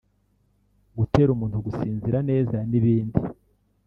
gutera umuntu gusinzira neza n’ibindi